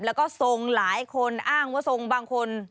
แล้วก็ทรงหลายคนอ้างว่าทรงบางคน